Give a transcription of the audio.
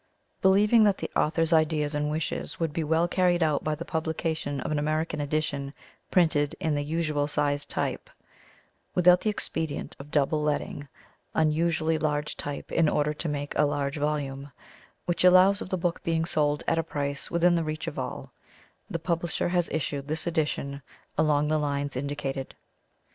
Believing that the author's ideas and wishes would be well carried out by the publication of an American edition printed in the usual size type (without the expedient of "double leading" unusually large type in order to make a large volume), which allows of the book being sold at a price within the reach of all, the publisher has issued this edition along the lines indicated.